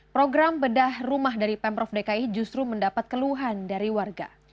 program bedah rumah dari pemprov dki justru mendapat keluhan dari warga